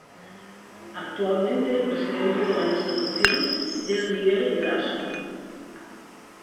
Actualmente el presidente de la institución es Miguel Grasso.